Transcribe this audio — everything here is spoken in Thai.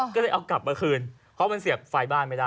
ก็เลยเอากลับมาคืนเพราะมันเสียบไฟบ้านไม่ได้